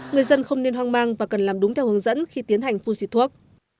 người dân không nên hoang mang và cần làm đúng theo hướng dẫn khi tiến hành phun xịt thuốc